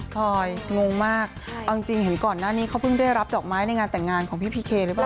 พลอยงงมากเอาจริงเห็นก่อนหน้านี้เขาเพิ่งได้รับดอกไม้ในงานแต่งงานของพี่พีเคหรือเปล่า